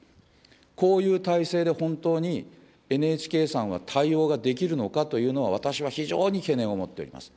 こういう体制で本当に、ＮＨＫさんは対応ができるのかというのは、私は非常に懸念を持っております。